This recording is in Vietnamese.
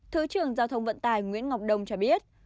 thứ trưởng giao thông vận tải nguyễn ngọc đông cho biết